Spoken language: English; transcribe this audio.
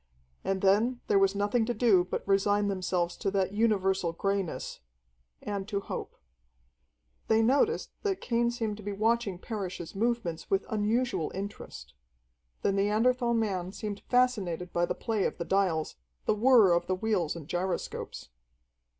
And then there was nothing to do but resign themselves to that universal greyness and to hope. They noticed that Cain seemed to be watching Parrish's movements with unusual interest. The Neanderthal man seemed fascinated by the play of the dials, the whir of the wheels and gyroscopes.